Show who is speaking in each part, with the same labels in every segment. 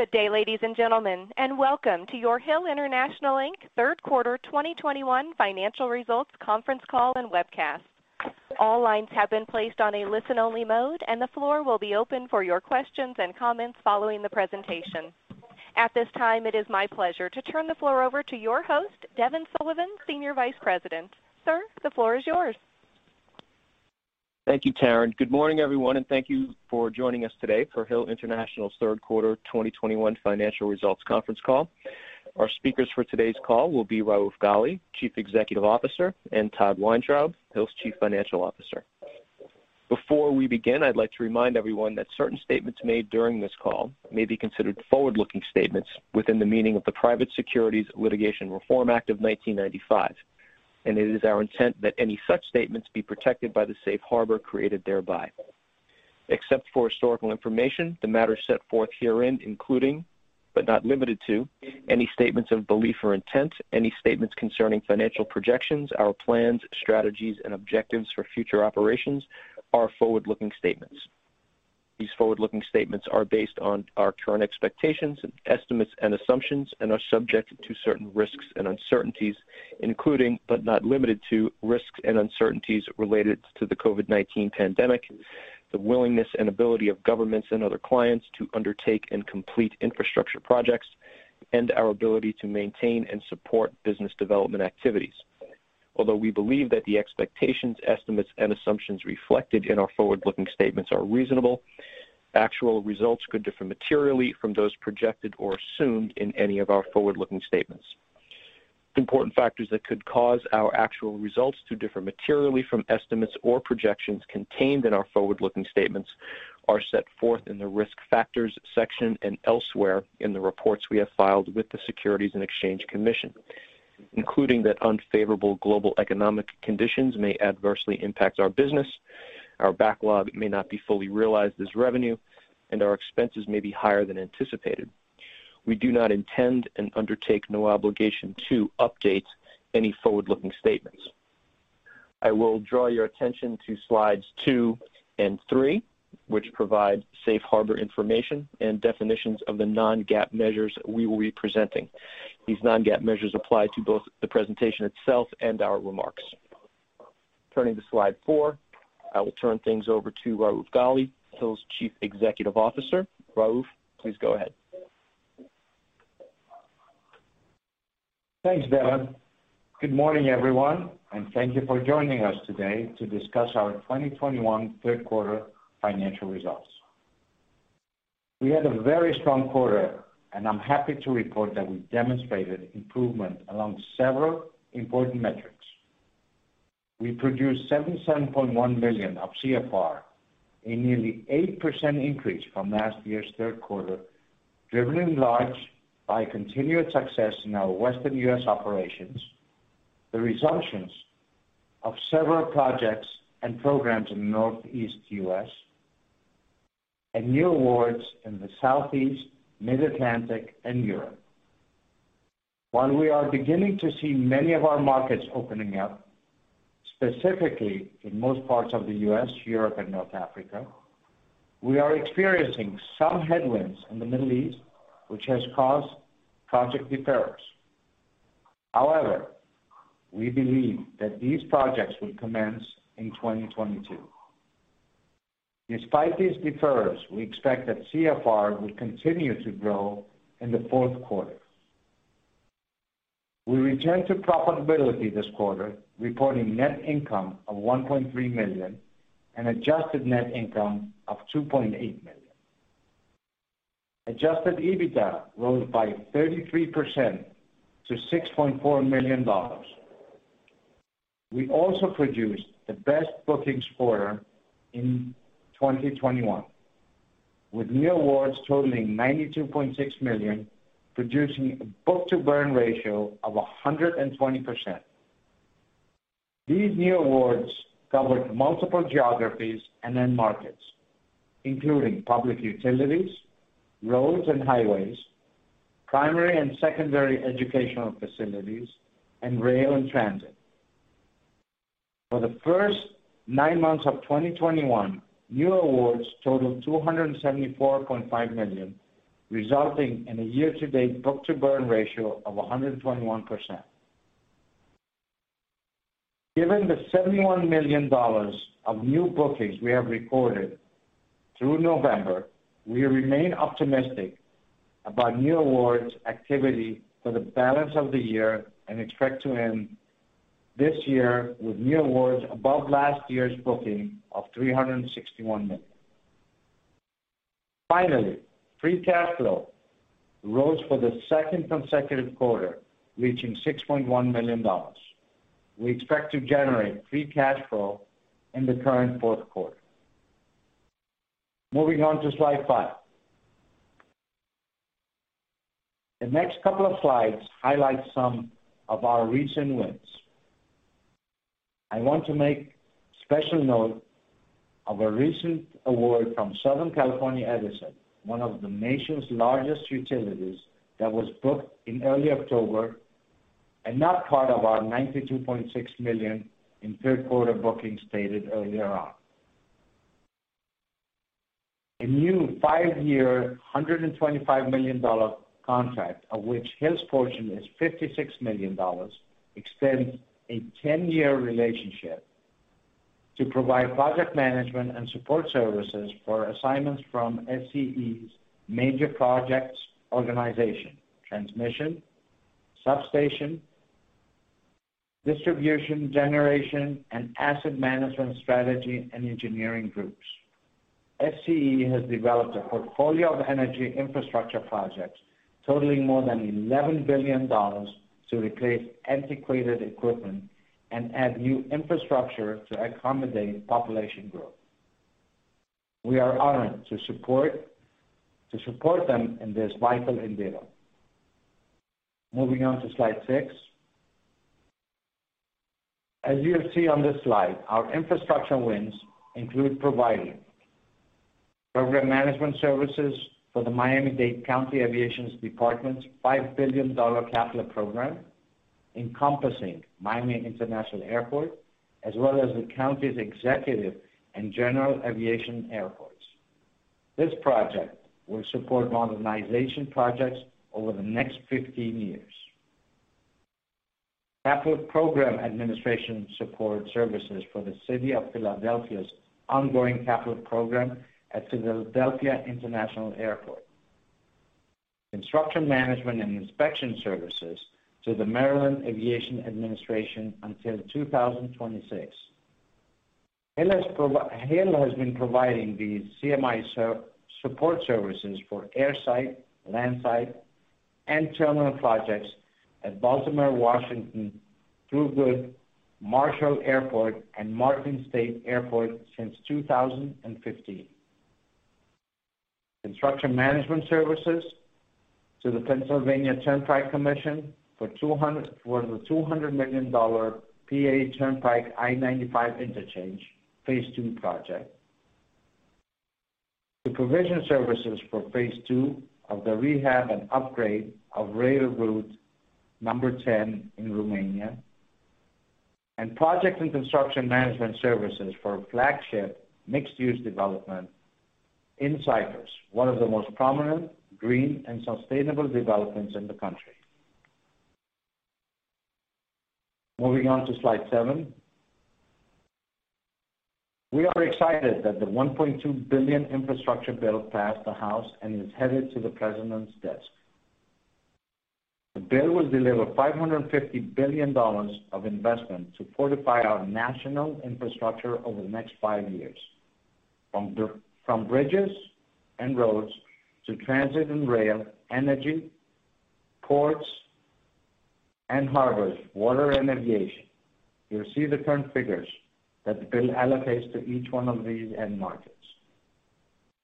Speaker 1: Good day, ladies and gentlemen, and welcome to your Hill International, Inc. Q3 2021 financial results conference call and webcast. All lines have been placed on a listen-only mode, and the floor will be open for your questions and comments following the presentation. At this time, it is my pleasure to turn the floor over to your host, Devin Sullivan, SVP. Sir, the floor is yours.
Speaker 2: Thank you, Taryn. Good morning, everyone, and thank you for joining us today for Hill International's third quarter 2021 financial results conference call. Our speakers for today's call will be Raouf Ghali, CEO, and Todd Weintraub, Hill's CFO. Before we begin, I'd like to remind everyone that certain statements made during this call may be considered forward-looking statements within the meaning of the Private Securities Litigation Reform Act of 1995. It is our intent that any such statements be protected by the safe harbor created thereby. Except for historical information, the matter set forth herein, including, but not limited to, any statements of belief or intent, any statements concerning financial projections, our plans, strategies, and objectives for future operations are forward-looking statements. These forward-looking statements are based on our current expectations, estimates, and assumptions and are subject to certain risks and uncertainties, including, but not limited to, risks and uncertainties related to the COVID-19 pandemic, the willingness and ability of governments and other clients to undertake and complete infrastructure projects, and our ability to maintain and support business development activities. Although we believe that the expectations, estimates, and assumptions reflected in our forward-looking statements are reasonable, actual results could differ materially from those projected or assumed in any of our forward-looking statements. Important factors that could cause our actual results to differ materially from estimates or projections contained in our forward-looking statements are set forth in the Risk Factors section and elsewhere in the reports we have filed with the Securities and Exchange Commission, including that unfavorable global economic conditions may adversely impact our business, our backlog may not be fully realized as revenue, and our expenses may be higher than anticipated. We do not intend and undertake no obligation to update any forward-looking statements. I will draw your attention to slides two and three, which provide safe harbor information and definitions of the non-GAAP measures we will be presenting. These non-GAAP measures apply to both the presentation itself and our remarks. Turning to slide four, I will turn things over to Raouf Ghali, Hill's CEO. Raouf, please go ahead.
Speaker 3: Thanks, Devin. Good morning, everyone, and thank you for joining us today to discuss our 2021 Q3 financial results. We had a very strong quarter, and I'm happy to report that we demonstrated improvement along several important metrics. We produced $77.1 million of CFR, a nearly eight percent increase from last year's Q3, driven in large part by continued success in our Western U.S. operations, the resumptions of several projects and programs in Northeast U.S., and new awards in the Southeast, Mid-Atlantic, and Europe. While we are beginning to see many of our markets opening up, specifically in most parts of the U.S., Europe, and North Africa, we are experiencing some headwinds in the Middle East, which has caused project deferrals. However, we believe that these projects will commence in 2022. Despite these deferrals, we expect that CFR will continue to grow in the fourth quarter. We returned to profitability this quarter, reporting net income of $1.3 million and adjusted net income of $2.8 million. Adjusted EBITDA rose by 33% to $6.4 million. We also produced the best bookings quarter in 2021, with new awards totaling $92.6 million, producing a book-to-burn ratio of 120%. These new awards covered multiple geographies and end markets, including public utilities, roads and highways, primary and secondary educational facilities, and rail and transit. For the first nine months of 2021, new awards totaled $274.5 million, resulting in a year-to-date book-to-burn ratio of 121%. Given the $71 million of new bookings we have recorded through November, we remain optimistic about new awards activity for the balance of the year and expect to end this year with new awards above last year's booking of $361 million. Finally, free cash flow rose for the second consecutive quarter, reaching $6.1 million. We expect to generate free cash flow in the current Q4. Moving on to slide five. The next couple of slides highlight some of our recent wins. I want to make special note of a recent award from Southern California Edison, one of the nation's largest utilities, that was booked in early October. Not part of our $92.6 million in Q3 bookings stated earlier on. A new five-year, $125 million contract, of which Hill's portion is $56 million, extends a 10-year relationship to provide project management and support services for assignments from SCE's major projects organization, transmission, substation, distribution, generation, and asset management strategy and engineering groups. SCE has developed a portfolio of energy infrastructure projects totaling more than $11 billion to replace antiquated equipment and add new infrastructure to accommodate population growth. We are honored to support them in this vital endeavor. Moving on to slide six. As you'll see on this slide, our infrastructure wins include providing program management services for the Miami-Dade County Aviation Department's $5 billion capital program, encompassing Miami International Airport, as well as the county's executive and general aviation airports. This project will support modernization projects over the next 15 years. Capital program administration support services for the city of Philadelphia's ongoing capital program at Philadelphia International Airport. Construction management and inspection services to the Maryland Aviation Administration until 2026. Hill has been providing these CMI support services for airside, landside, and terminal projects at Baltimore/Washington International Thurgood Marshall Airport and Martin State Airport since 2015. Construction management services to the Pennsylvania Turnpike Commission for the $200 million PA Turnpike I-95 interchange phase two project. The provision services for phase II of the rehab and upgrade of Rail Route 10 in Romania, and project and construction management services for flagship mixed-use development in Cyprus, one of the most prominent green and sustainable developments in the country. Moving on to slide seven. We are excited that the $1.2 billion infrastructure bill passed the House and is headed to the President's desk. The bill will deliver $550 billion of investment to fortify our national infrastructure over the next five years, from bridges and roads to transit and rail, energy, ports, and harbors, water, and aviation. You'll see the current figures that the bill allocates to each one of these end markets.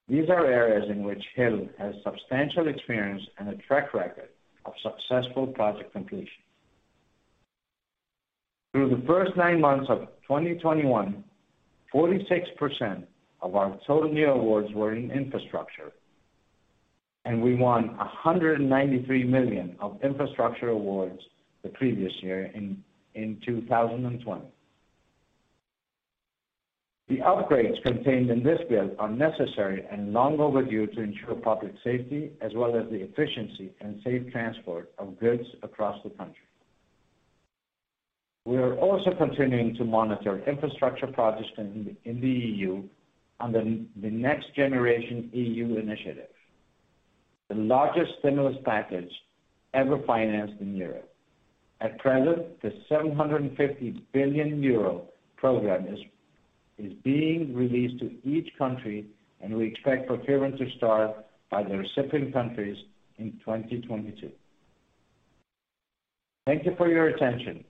Speaker 3: These are areas in which Hill has substantial experience and a track record of successful project completion. Through the first nine months of 2021, 46% of our total new awards were in infrastructure, and we won $193 million of infrastructure awards the previous year in 2020. The upgrades contained in this bill are necessary and long overdue to ensure public safety as well as the efficiency and safe transport of goods across the country. We are also continuing to monitor infrastructure projects in the EU under the NextGenerationEU initiative, the largest stimulus package ever financed in Europe. At present, the 750 billion euro program is being released to each country, and we expect procurement to start by the recipient countries in 2022. Thank you for your attention.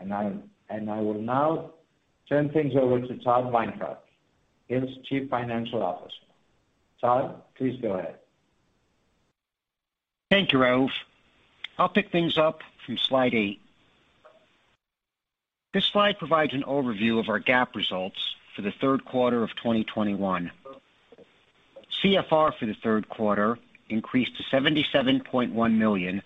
Speaker 3: I will now turn things over to Todd Weintraub, Hill's CFO. Todd, please go ahead.
Speaker 4: Thank you, Raouf. I'll pick things up from slide eight. This slide provides an overview of our GAAP results for the Q3 of 2021. CFR for the Q3 increased to $77.1 million,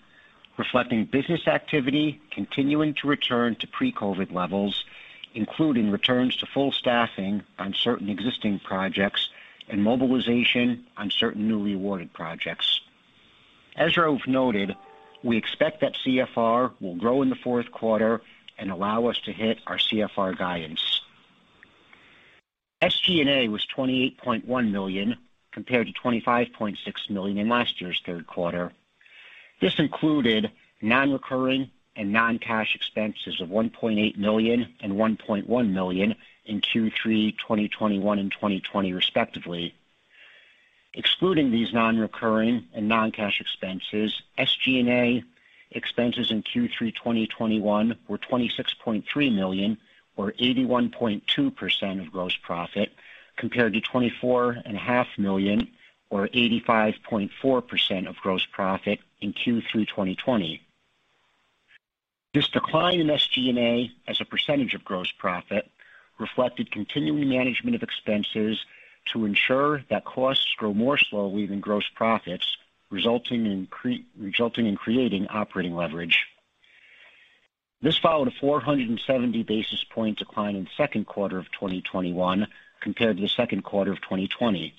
Speaker 4: reflecting business activity continuing to return to pre-COVID levels, including returns to full staffing on certain existing projects and mobilization on certain newly awarded projects. As Raouf noted, we expect that CFR will grow in the Q4 and allow us to hit our CFR guidance. SG&A was $28.1 million, compared to $25.6 million in last year's Q3. This included non-recurring and non-cash expenses of $1.8 million and $1.1 million in Q3 2021 and 2020, respectively. Excluding these non-recurring and non-cash expenses, SG&A expenses in Q3 2021 were $26.3 million or 81.2% of gross profit, compared to $24.5 million or 85.4% of gross profit in Q3 2020. This decline in SG&A as a percentage of gross profit reflected continuing management of expenses to ensure that costs grow more slowly than gross profits, resulting in creating operating leverage. This followed a 470 basis point decline in Q2 of 2021 compared to the Q2 of 2020.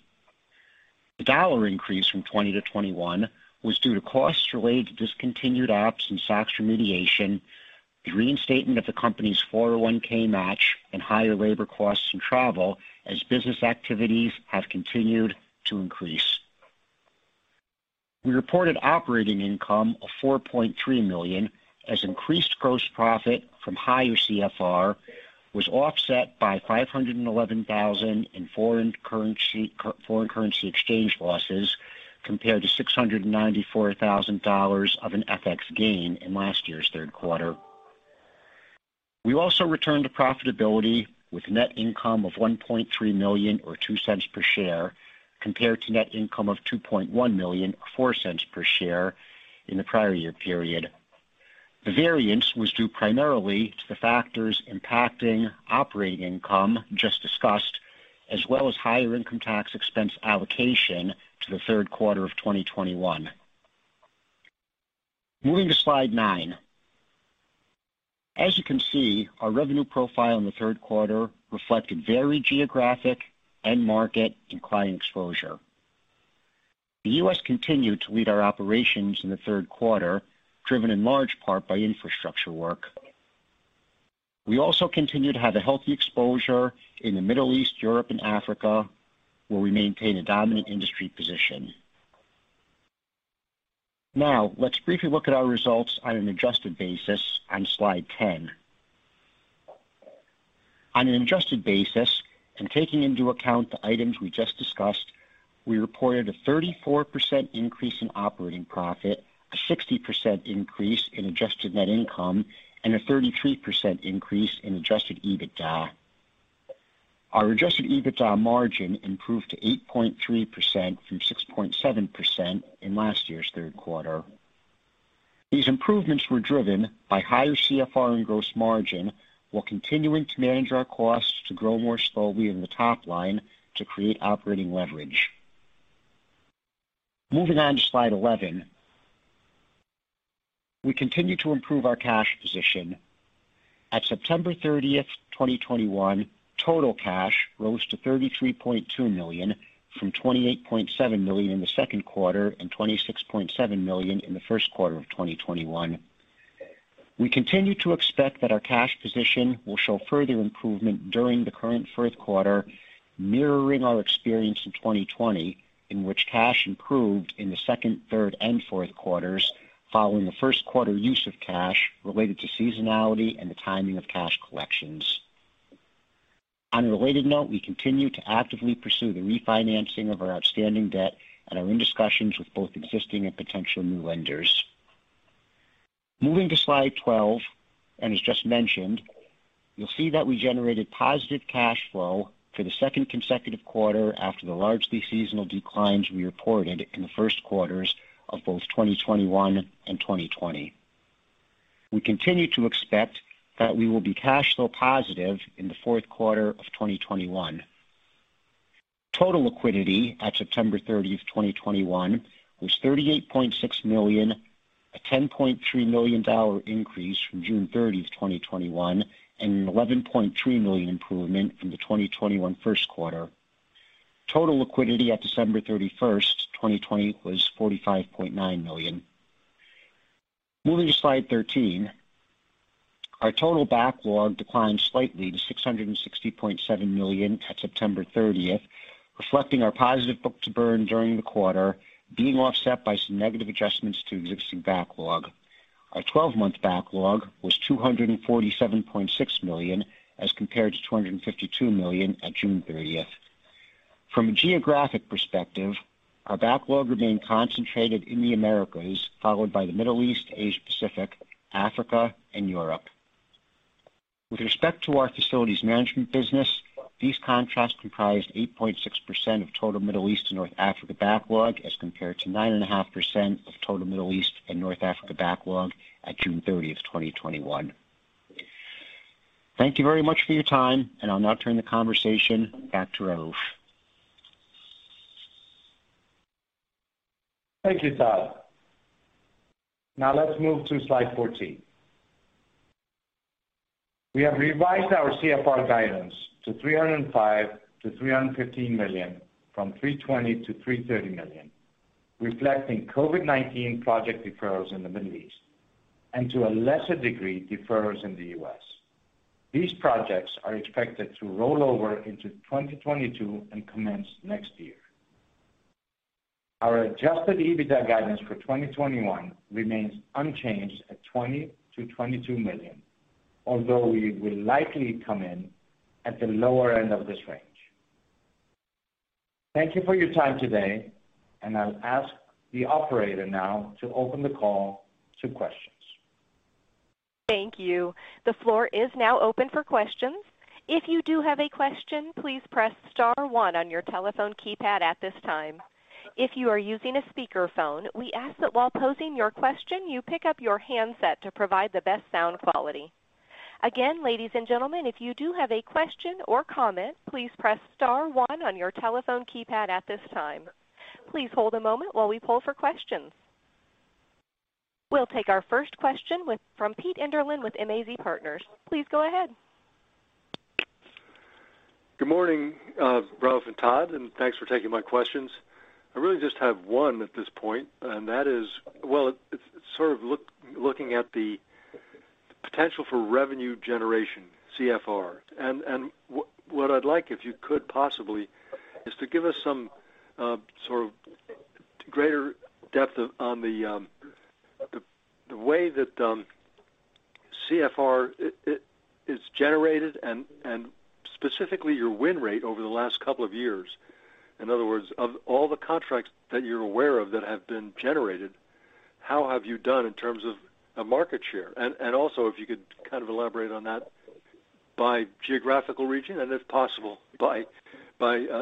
Speaker 4: The dollar increase from 2020 to 2021 was due to costs related to discontinued ops and SOX remediation, the reinstatement of the company's 401(k) match, and higher labor costs and travel as business activities have continued to increase. We reported operating income of $43 million as increased gross profit from higher CFR was offset by $511 thousand in foreign currency exchange losses compared to $694 thousand of an FX gain in last year's Q3. We also returned to profitability with net income of $1.3 million or $0.02 per share compared to net income of $2.1 million or $0.04 per share in the prior year period. The variance was due primarily to the factors impacting operating income just discussed, as well as higher income tax expense allocation to the Q3 of 2021. Moving to slide nine. As you can see, our revenue profile in the Q3 reflected varied geographic, end market, and client exposure. The U.S. continued to lead our operations in the Q3, driven in large part by infrastructure work. We also continued to have a healthy exposure in the Middle East, Europe, and Africa, where we maintain a dominant industry position. Now, let's briefly look at our results on an adjusted basis on slide 10. On an adjusted basis, and taking into account the items we just discussed, we reported a 34% increase in operating profit, a 60% increase in adjusted net income, and a 33% increase in adjusted EBITDA. Our adjusted EBITDA margin improved to 8.3% from 6.7% in last year's Q3. These improvements were driven by higher CFR and gross margin while continuing to manage our costs to grow more slowly than the top line to create operating leverage. Moving on to slide 11. We continue to improve our cash position. At September 30th 2021, total cash rose to $33.2 million from $28.7 million in the Q2 and $26.7 million in the Q1 of 2021. We continue to expect that our cash position will show further improvement during the current Q4, mirroring our experience in 2020, in which cash improved in the Q2, Q3, and Q4 following the Q1 use of cash related to seasonality and the timing of cash collections. On a related note, we continue to actively pursue the refinancing of our outstanding debt and are in discussions with both existing and potential new lenders. Moving to slide 12, as just mentioned, you'll see that we generated positive cash flow for the second consecutive quarter after the largely seasonal declines we reported in the Q1s of both 2021 and 2020. We continue to expect that we will be cash flow positive in the Q4 of 2021. Total liquidity at September 30th 2021 was $38.6 million, a $10.3 million increase from June 30, 2021, and an $11.3 million improvement from the 2021 Q1. Total liquidity at December 31, 2020 was $45.9 million. Moving to slide 13. Our total backlog declined slightly to $660.7 million at September 30, reflecting our positive book-to-burn during the quarter being offset by some negative adjustments to existing backlog. Our 12-month backlog was $247.6 million as compared to $252 million at June 30. From a geographic perspective, our backlog remained concentrated in the Americas, followed by the Middle East, Asia Pacific, Africa, and Europe. With respect to our facilities management business, these contracts comprised 8.6% of total Middle East and North Africa backlog as compared to nine and a half percent of total Middle East and North Africa backlog at June 30th 2021. Thank you very much for your time, and I'll now turn the conversation back to Raouf.
Speaker 3: Thank you, Todd. Now let's move to slide 14. We have revised our CFR guidance to $305 million-$315 million from $320 million-$330 million, reflecting COVID-19 project deferrals in the Middle East and to a lesser degree, deferrals in the U.S. These projects are expected to roll over into 2022 and commence next year. Our adjusted EBITDA guidance for 2021 remains unchanged at $20 million-$22 million, although we will likely come in at the lower end of this range. Thank you for your time today, and I'll ask the operator now to open the call to questions.
Speaker 1: Thank you. The floor is now open for questions. If you do have a question, please press star one on your telephone keypad at this time. If you are using a speakerphone, we ask that while posing your question, you pick up your handset to provide the best sound quality. Again, ladies and gentlemen, if you do have a question or comment, please press star one on your telephone keypad at this time. Please hold a moment while we poll for questions. We'll take our first question from Pete Enderlin with MAZ Partners. Please go ahead.
Speaker 5: Good morning, Raouf and Todd, and thanks for taking my questions. I really just have one at this point, and that is well, it's sort of looking at the potential for revenue generation, CFR. What I'd like, if you could possibly, is to give us some sort of greater depth on the way that CFR is generated and specifically your win rate over the last couple of years. In other words, of all the contracts that you're aware of that have been generated, how have you done in terms of a market share? Also if you could kind of elaborate on that by geographical region and if possible, by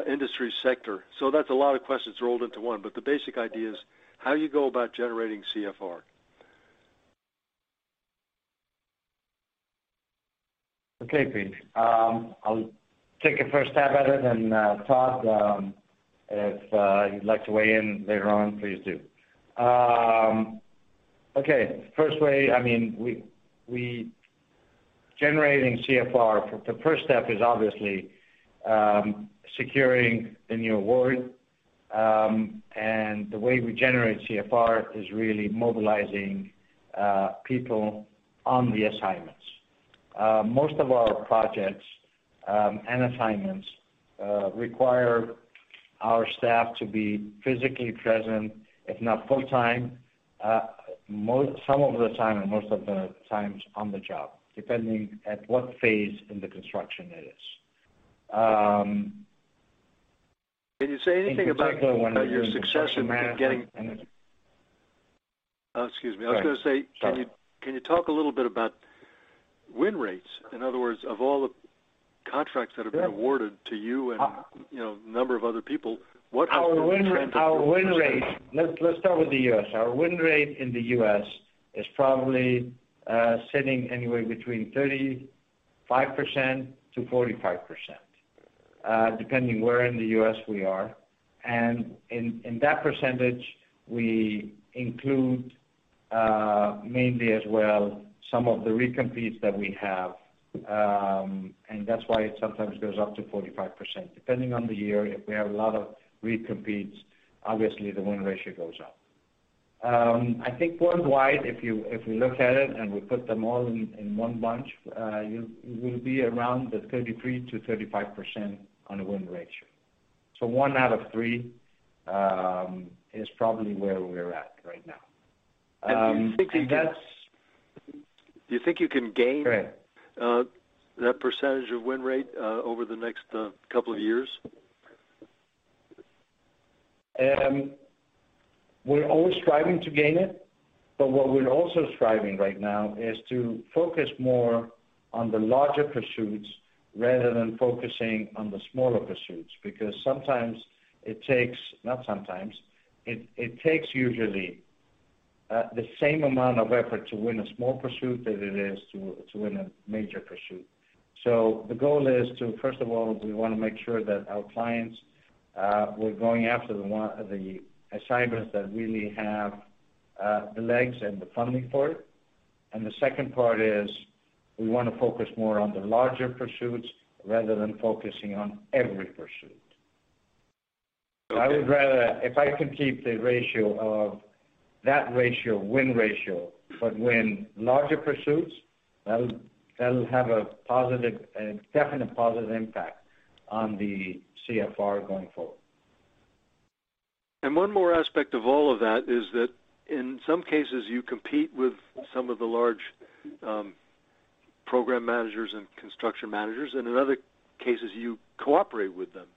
Speaker 5: industry sector. That's a lot of questions rolled into one, but the basic idea is how you go about generating CFR.
Speaker 3: Okay, Pete. I'll take a first stab at it, and, Todd, if you'd like to weigh in later on, please do. Okay. First way, I mean, generating CFR, the first step is obviously securing the new award. The way we generate CFR is really mobilizing people on the assignments. Most of our projects and assignments require our staff to be physically present, if not full-time, some of the time and most of the times on the job, depending at what phase in the construction it is.
Speaker 5: Can you say anything about?
Speaker 3: In particular when we're doing construction management.
Speaker 5: Oh, excuse me.
Speaker 3: Sorry.
Speaker 5: I was gonna say, can you talk a little bit about win rates? In other words, of all the contracts that have been awarded to you and, you know, a number of other people, what has been the trend of your win rates?
Speaker 3: Our win rate. Let's start with the U.S. Our win rate in the U.S. is probably sitting anywhere between 35%-45%, depending where in the U.S. we are. In that percentage, we include mainly as well some of the recompetes that we have. That's why it sometimes goes up to 45%. Depending on the year, if we have a lot of recompetes, obviously the win ratio goes up. I think worldwide, if we look at it and we put them all in one bunch, we'll be around the 33%-35% on the win ratio. So one out of three is probably where we're at right now. That's
Speaker 5: Do you think you can-
Speaker 3: Go ahead.
Speaker 5: that percentage of win rate over the next couple of years?
Speaker 3: We're always striving to gain it, but what we're also striving right now is to focus more on the larger pursuits rather than focusing on the smaller pursuits. Because it takes usually the same amount of effort to win a small pursuit than it is to win a major pursuit. The goal is to, first of all, we wanna make sure that our clients we're going after the assignments that really have the legs and the funding for it. The second part is, we wanna focus more on the larger pursuits rather than focusing on every pursuit.
Speaker 5: Okay.
Speaker 3: I would rather if I can keep the ratio of that ratio, win ratio, but win larger pursuits, that'll have a positive and definite positive impact on the CFR going forward.
Speaker 5: One more aspect of all of that is that in some cases you compete with some of the large program managers and construction managers, and in other cases you cooperate with them.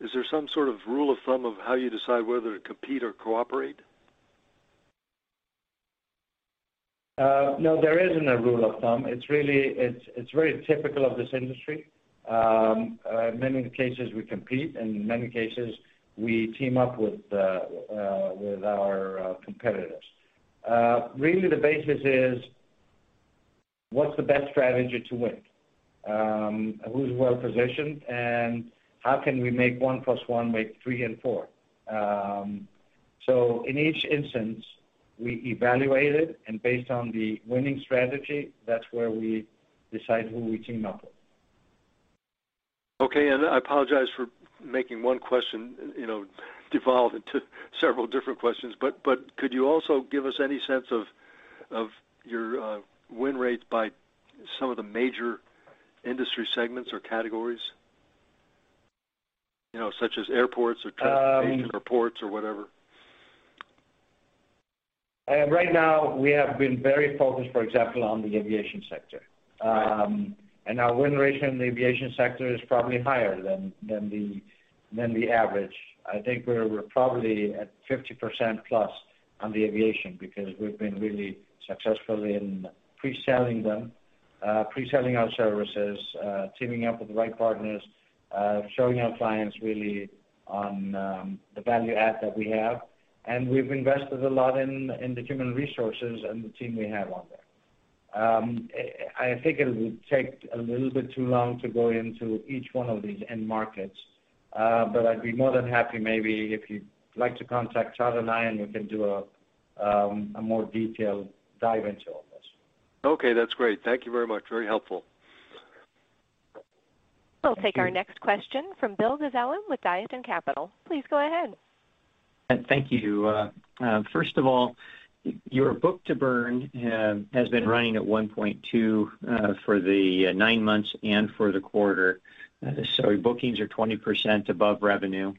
Speaker 5: Is there some sort of rule of thumb of how you decide whether to compete or cooperate?
Speaker 3: No, there isn't a rule of thumb. It's really very typical of this industry. In many cases we compete, and in many cases we team up with our competitors. Really the basis is what's the best strategy to win? Who's well-positioned, and how can we make one plus one make three and four? In each instance, we evaluate it and based on the winning strategy, that's where we decide who we team up with.
Speaker 5: Okay. I apologize for making one question, you know, devolve into several different questions. But could you also give us any sense of your win rates by some of the major industry segments or categories? You know, such as airports or transportation or ports or whatever.
Speaker 3: Right now we have been very focused, for example, on the aviation sector. Our win rate in the aviation sector is probably higher than the average. I think we're probably at 50% plus on the aviation because we've been really successful in pre-selling our services, teaming up with the right partners, showing our clients really on the value add that we have. We've invested a lot in the human resources and the team we have on there. I think it would take a little bit too long to go into each one of these end markets. I'd be more than happy maybe if you'd like to contact Chad and I, and we can do a more detailed dive into all this.
Speaker 5: Okay, that's great. Thank you very much. Very helpful.
Speaker 1: We'll take our next question from Bill Gazella with Dietzen Capital. Please go ahead.
Speaker 6: Thank you. First of all, your book-to-burn has been running at 1.2 for the nine months and for the quarter. So bookings are 20% above revenue.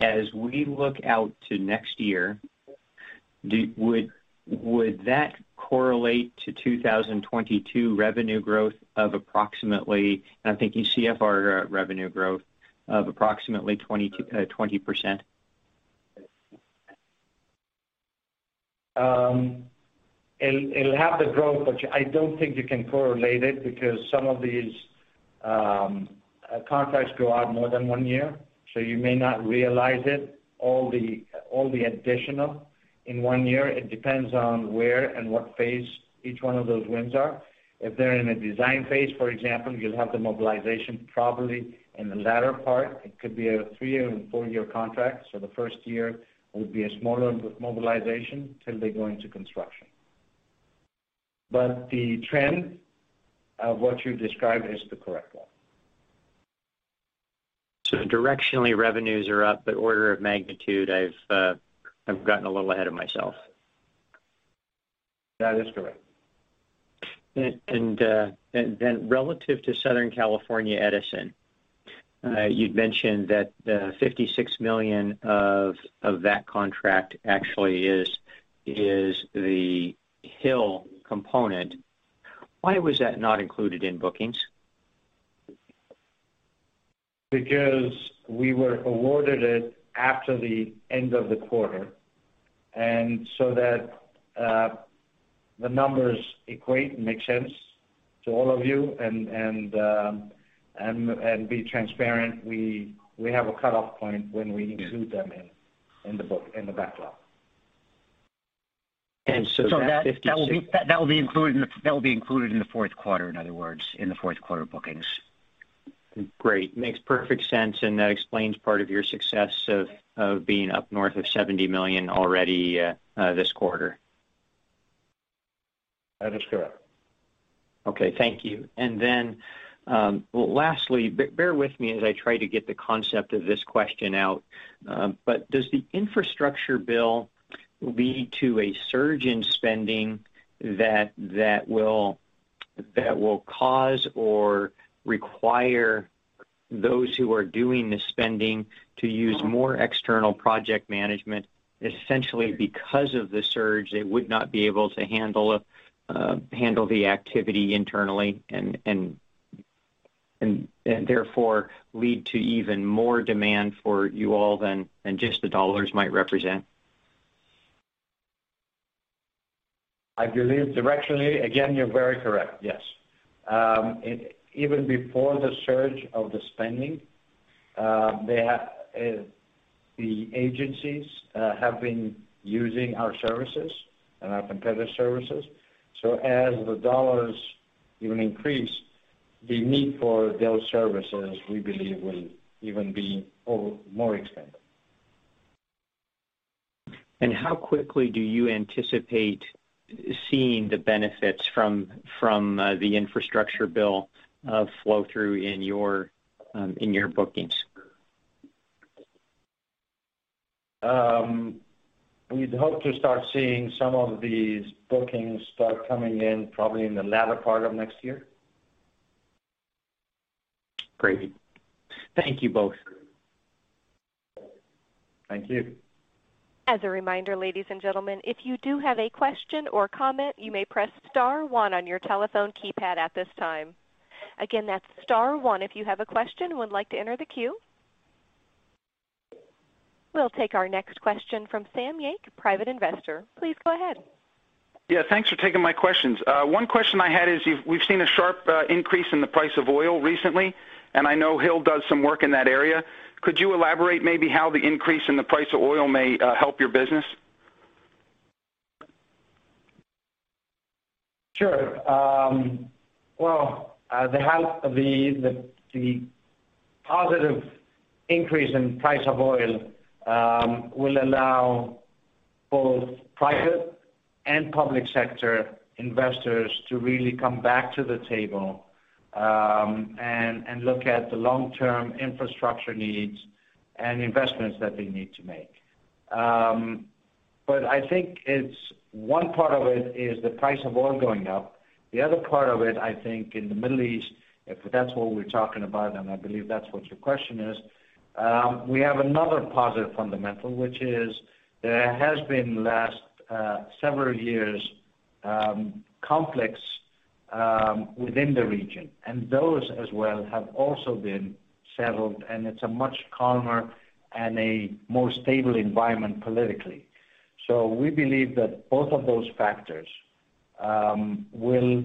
Speaker 6: As we look out to next year, would that correlate to 2022 revenue growth of approximately, and I'm thinking CFR revenue growth of approximately 20%-20%?
Speaker 3: It'll have the growth, but I don't think you can correlate it because some of these contracts go out more than one year. You may not realize it, all the additional in one year. It depends on where and what phase each one of those wins are. If they're in a design phase, for example, you'll have the mobilization probably in the latter part. It could be a three-year and four-year contract, so the first year will be a smaller mobilization till they go into construction. The trend of what you described is the correct one.
Speaker 6: Directionally, revenues are up, but order of magnitude, I've gotten a little ahead of myself.
Speaker 3: That is correct.
Speaker 6: Relative to Southern California Edison, you'd mentioned that the $56 million of that contract actually is the Hill component. Why was that not included in bookings?
Speaker 3: Because we were awarded it after the end of the quarter. That the numbers equate and make sense to all of you and be transparent, we have a cut-off point when we include them in the book, in the backlog.
Speaker 6: And so that-
Speaker 4: That will be included in the Q4, in other words, in the Q4 bookings.
Speaker 6: Great. Makes perfect sense, and that explains part of your success of being up north of $70 million already, this quarter.
Speaker 3: That is correct.
Speaker 6: Okay, thank you. Lastly, bear with me as I try to get the concept of this question out. But does the infrastructure bill lead to a surge in spending that will cause or require those who are doing the spending to use more external project management? Essentially because of the surge, they would not be able to handle the activity internally and therefore lead to even more demand for you all than just the dollars might represent.
Speaker 3: I believe directionally, again, you're very correct, yes. Even before the surge of the spending, the agencies have been using our services and our competitor services. As the dollars even increase, the need for those services, we believe, will even be more expanded.
Speaker 6: How quickly do you anticipate seeing the benefits from the infrastructure bill flow through in your bookings?
Speaker 3: We'd hope to start seeing some of these bookings start coming in probably in the latter part of next year.
Speaker 6: Great. Thank you both.
Speaker 3: Thank you.
Speaker 1: As a reminder, ladies and gentlemen, if you do have a question or comment, you may press star one on your telephone keypad at this time. Again, that's star one if you have a question and would like to enter the queue. We'll take our next question from Sam Yank, private investor. Please go ahead.
Speaker 7: Yeah, thanks for taking my questions. One question I had is we've seen a sharp increase in the price of oil recently, and I know Hill does some work in that area. Could you elaborate maybe how the increase in the price of oil may help your business?
Speaker 3: Sure. Well, the health of the positive increase in price of oil will allow both private and public sector investors to really come back to the table, and look at the long-term infrastructure needs and investments that they need to make. I think it's one part of it is the price of oil going up. The other part of it, I think in the Middle East, if that's what we're talking about, and I believe that's what your question is, we have another positive fundamental, which is there has been last several years, conflicts within the region, and those as well have also been settled, and it's a much calmer and a more stable environment politically. We believe that both of those factors will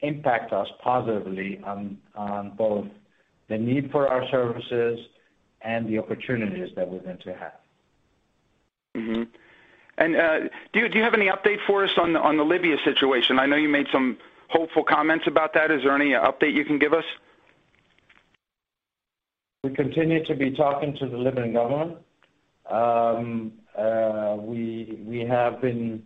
Speaker 3: impact us positively on both the need for our services and the opportunities that we're going to have.
Speaker 7: Do you have any update for us on the Libya situation? I know you made some hopeful comments about that. Is there any update you can give us?
Speaker 3: We continue to be talking to the Libyan government. We have been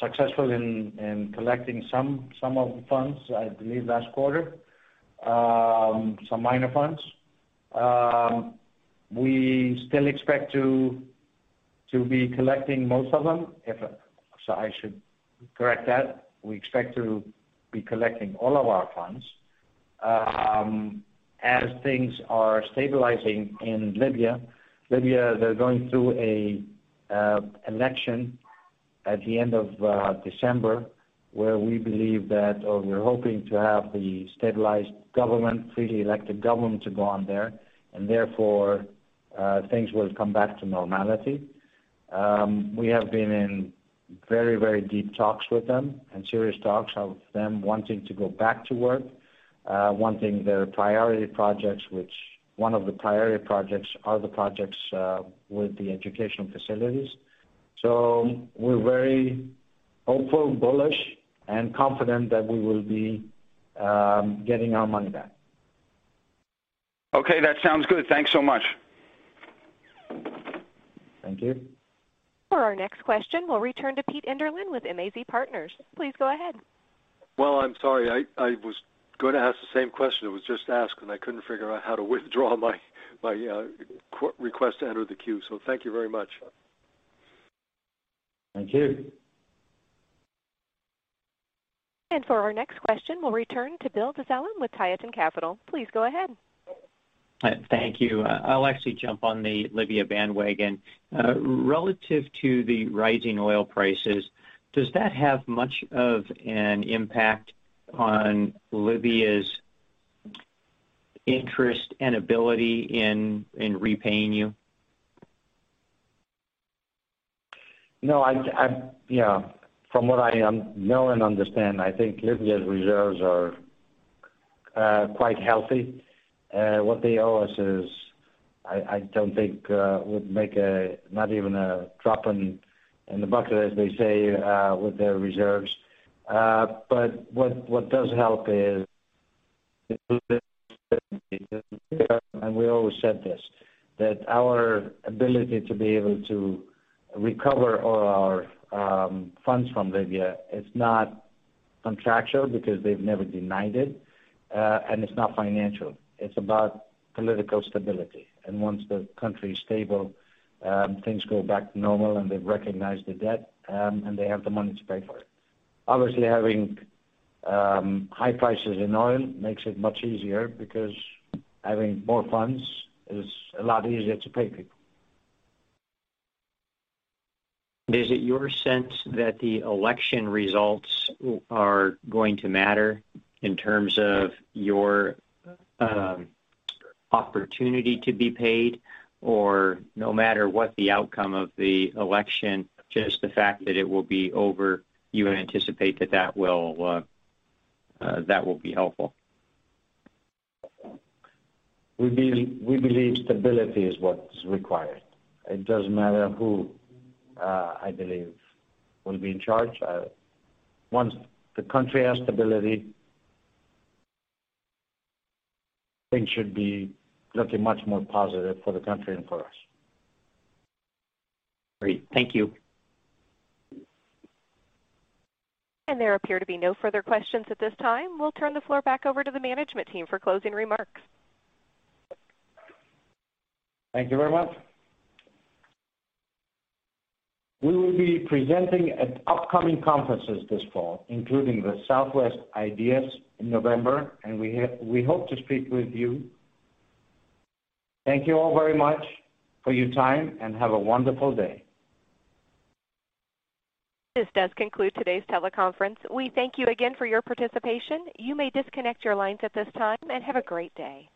Speaker 3: successful in collecting some of the funds, I believe, last quarter, some minor funds. We still expect to be collecting most of them. So I should correct that. We expect to be collecting all of our funds. As things are stabilizing in Libya. Libya, they're going through an election at the end of December, where we believe that or we're hoping to have the stabilized government, freely elected government to go on there, and therefore, things will come back to normality. We have been in very, very deep talks with them and serious talks of them wanting to go back to work, wanting their priority projects, which one of the priority projects are the projects with the educational facilities. We're very hopeful, bullish, and confident that we will be getting our money back.
Speaker 7: Okay, that sounds good. Thanks so much.
Speaker 3: Thank you.
Speaker 1: For our next question, we'll return to Pete Enderlin with MAZ Partners. Please go ahead.
Speaker 5: Well, I'm sorry. I was gonna ask the same question that was just asked, and I couldn't figure out how to withdraw my re-request to enter the queue, so thank you very much.
Speaker 3: Thank you.
Speaker 1: For our next question, we'll return toc. Please go ahead.
Speaker 8: Thank you. I'll actually jump on the Libya bandwagon. Relative to the rising oil prices, does that have much of an impact on Libya's interest and ability in repaying you?
Speaker 3: No, I'd. Yeah, from what I know and understand, I think Libya's reserves are quite healthy. What they owe us is I don't think would make not even a drop in the bucket, as they say, with their reserves. But what does help is, and we always said this, that our ability to be able to recover all our funds from Libya is not contractual because they've never denied it, and it's not financial. It's about political stability. Once the country is stable, things go back to normal, and they've recognized the debt, and they have the money to pay for it. Obviously, having high prices in oil makes it much easier because having more funds is a lot easier to pay people.
Speaker 8: Is it your sense that the election results are going to matter in terms of your opportunity to be paid? Or no matter what the outcome of the election, just the fact that it will be over, you anticipate that will be helpful?
Speaker 3: We believe stability is what is required. It doesn't matter who, I believe will be in charge. Once the country has stability, things should be looking much more positive for the country and for us.
Speaker 8: Great. Thank you.
Speaker 1: There appear to be no further questions at this time. We'll turn the floor back over to the management team for closing remarks.
Speaker 3: Thank you very much. We will be presenting at upcoming conferences this fall, including the Southwest IDEAS in November, and we hope to speak with you. Thank you all very much for your time, and have a wonderful day.
Speaker 1: This does conclude today's teleconference. We thank you again for your participation. You may disconnect your lines at this time, and have a great day.